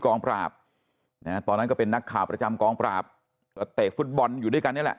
กองปราบนะฮะตอนนั้นก็เป็นนักข่าวประจำกองปราบก็เตะฟุตบอลอยู่ด้วยกันนี่แหละ